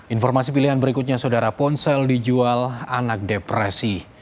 informasi pilihan berikutnya saudara ponsel dijual anak depresi